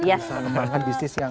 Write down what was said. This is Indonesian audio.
bisa menemukan bisnis yang